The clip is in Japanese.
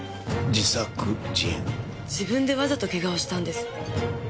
自分でわざとけがをしたんです。